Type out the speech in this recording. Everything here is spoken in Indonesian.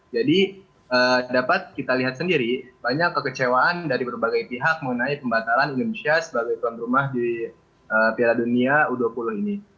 jadi dapat kita lihat sendiri banyak kekecewaan dari berbagai pihak mengenai pembatalan indonesia sebagai tuan rumah di piala dunia u dua puluh ini